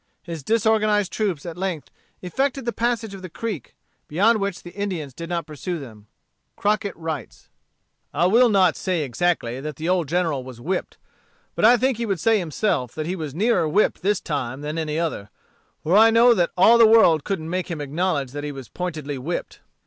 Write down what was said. His disorganized troops at length effected the passage of the creek, beyond which the Indians did not pursue them. Crockett writes: "I will not say exactly that the old General was whipped. But I think he would say himself that he was nearer whipped this time than any other; for I know that all the world couldn't make him acknowledge that he was pointedly whipped.